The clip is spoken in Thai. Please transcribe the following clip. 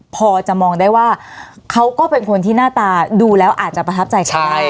พอจะมองได้ว่าเขาก็เป็นคนที่หน้าตาดูแล้วอาจจะประทับใจเขาได้